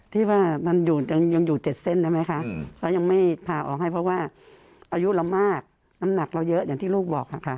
ที่ว่ามันยังอยู่๗เส้นได้ไหมคะเขายังไม่พาออกให้เพราะว่าอายุเรามากน้ำหนักเราเยอะอย่างที่ลูกบอกค่ะ